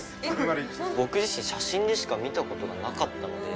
僕自身写真でしか見た事がなかったので。